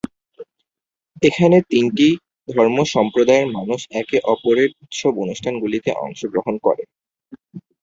এখানে তিনটি ধর্ম সম্প্রদায়ের মানুষ একে অপরের উৎসব-অনুষ্ঠানগুলিতে অংশগ্রহণ করে।